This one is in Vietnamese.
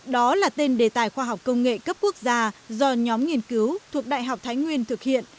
đó là tên đề tài khoa học công nghệ cấp quốc gia do nhóm nghiên cứu thuộc đại học thái nguyên thực hiện